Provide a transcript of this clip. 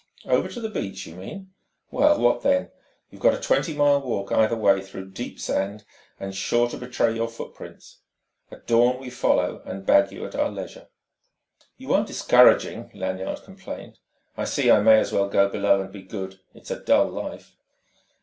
"Over to the beach you mean? Well, what then? You have got a twenty mile walk either way through deep sand sure to betray your footprints. At dawn we follow and bag you at our leisure." "You are discouraging!" Lanyard complained. "I see I may as well go below and be good. It's a dull life."